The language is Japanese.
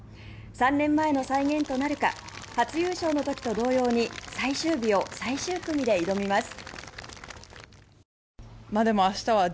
３年前の再現となるか初優勝の時と同様に最終日を最終組で挑みます。